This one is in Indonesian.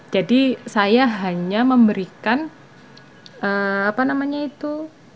jadi saya hanya memberikan apa namanya itu